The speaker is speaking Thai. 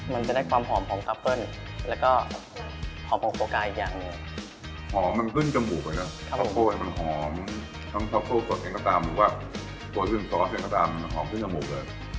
มันจะได้ความหอมของทรัฟเฟิลแล้วก็หอมของโฟกาอีกอย่างเนี่ยหอมมันขึ้นจมูกเลยนะครับผมมันหอมทรัฟเฟิลตัวเชียงกระตามหรือว่าตัวเชียงซอสเชียงกระตามมันหอมขึ้นจมูกเลย